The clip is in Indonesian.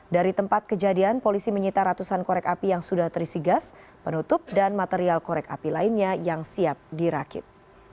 dari tempat kejadian polisi menyita ratusan korek api yang sudah terisi gas penutup dan material korek api lainnya yang siap dirakit